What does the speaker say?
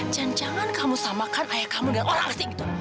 jangan jangan kamu samakan ayah kamu dengan orang asli gitu